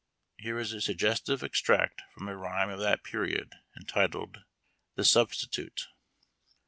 Here is a suggestive extract from a rhyme of that period, entitled THE SUBSTITUTE.